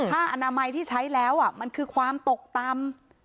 อนามัยที่ใช้แล้วมันคือความตกต่ำ